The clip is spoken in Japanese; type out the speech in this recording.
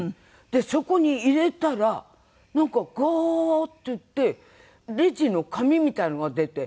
でそこに入れたらなんかガーッていってレジの紙みたいなのが出て。